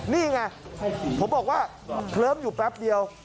นี่ไงผมบอกว่าเคลิ้มอยู่แป๊บเดียว